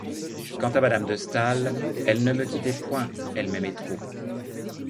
Quant à Mme de Staël, elle ne me quittait point ; elle m'aimait trop.